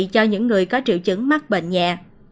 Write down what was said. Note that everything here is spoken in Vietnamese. cho những người có triệu chứng mắc bệnh nhẹ